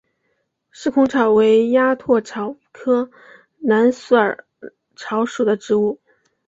四孔草为鸭跖草科蓝耳草属的植物。